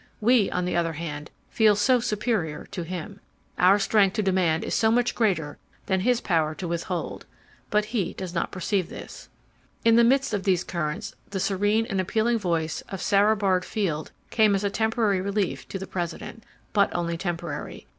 We, on the other hand, feel so superior to him. Our strength to demand is so much greater than his power to withhold. But he does not perceive this. In the midst of these currents the serene and appealing voice of Sara Bard Field came as a temporary relief to the President—but only temporary.